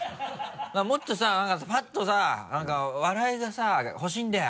もっとさ何かさパッとさ何か笑いがさほしいんだよ」